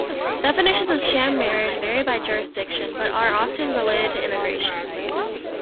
Definitions of sham marriage vary by jurisdiction, but are often related to immigration.